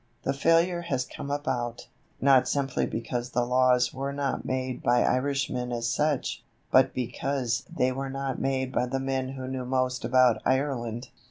The failure has come about, not simply because the laws were not made by Irishmen as such, but because they were not made by the men who knew most about Ireland.